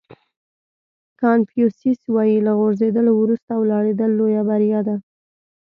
کانفیوسیس وایي له غورځېدلو وروسته ولاړېدل لویه بریا ده.